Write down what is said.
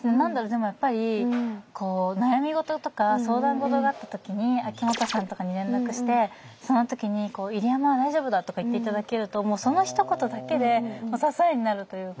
でもやっぱりこう悩み事とか相談事があった時に秋元さんとかに連絡してその時に「入山は大丈夫だ」とか言って頂けるともうそのひと言だけで支えになるというか。